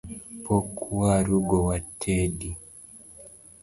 Pok waru go watedi